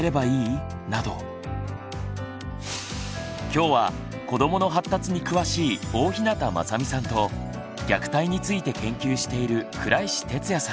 今日は子どもの発達に詳しい大日向雅美さんと虐待について研究している倉石哲也さん